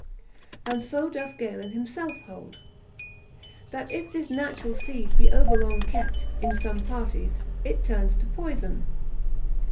And so doth Galen himself hold, That if this natural seed be over long kept (in some parties) it turns to poison.